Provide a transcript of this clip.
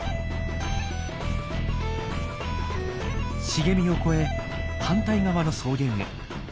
茂みを越え反対側の草原へ。